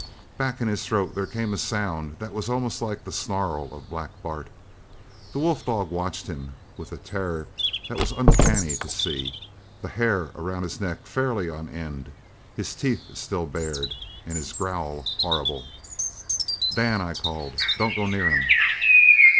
"Back in his throat there came a sound that was almost like the snarl of Black Bart. The wolf dog watched him with a terror that was uncanny to see, the hair around his neck fairly on end, his teeth still bared, and his growl horrible. "'Dan!' I called, 'don't go near him!'